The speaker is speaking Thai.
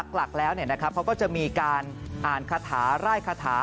หลักแล้วเขาก็จะมีการอ่านคาถาไร่คาถา